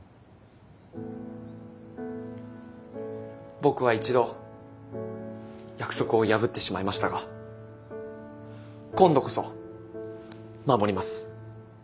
僕は一度約束を破ってしまいましたが今度こそ守ります。